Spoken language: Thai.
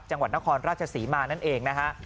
จังหวัดนครราชศรีมานั่นเองนะฮะ